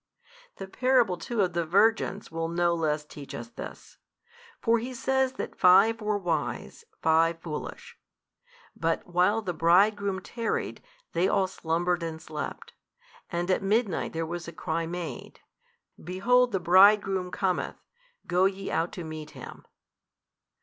The parable too of the Virgins will no less teach us this. For He says that five were wise, five foolish: but while the Bridegroom tarried, they all slumbered and slept: and at midnight there was a cry made, Behold, the Bridegroom cometh, go ye out to meet Him.